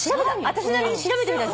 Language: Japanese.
私なりに調べてみたんですよ。